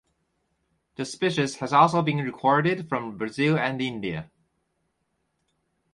The species has also been recorded from Brazil and India.